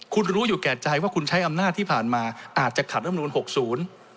คุณรู้อยู่แก่ใจว่าคุณใช้อำนาจที่ผ่านมาอาจจะขาดรัฐธรรมนูล๖๐